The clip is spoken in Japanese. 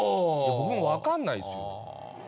僕も分かんないっすよ。